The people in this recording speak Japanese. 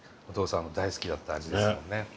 お父さんの大好きだった味ですもんね。